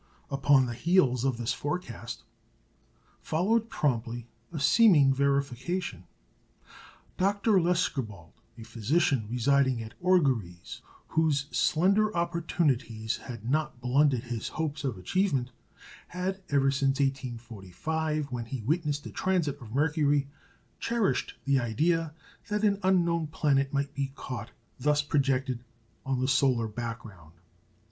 Upon the heels of this forecast followed promptly a seeming verification. Dr. Lescarbault, a physician residing at Orgères, whose slender opportunities had not blunted his hopes of achievement, had, ever since 1845, when he witnessed a transit of Mercury, cherished the idea that an unknown planet might be caught thus projected on the solar background.